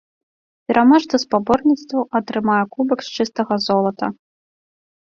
Пераможца спаборніцтваў атрымае кубак з чыстага золата.